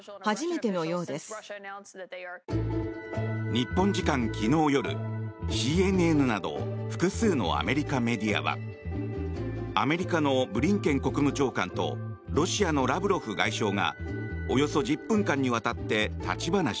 日本時間昨日夜、ＣＮＮなど複数のアメリカメディアはアメリカのブリンケン国務長官とロシアのラブロフ外相がおよそ１０分間にわたって立ち話。